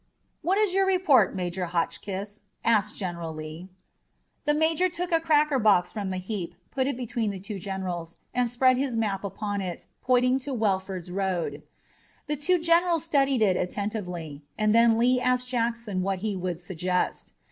"What is your report, Major Hotchkiss?" asked General Lee. The major took a cracker box from the heap, put it between the two generals, and spread his map upon it, pointing to Welford's road. The two generals studied it attentively, and then Lee asked Jackson what he would suggest.